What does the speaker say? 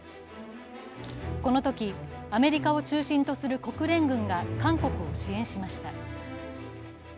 このときアメリカを中心とする国連軍が韓国を支援しました。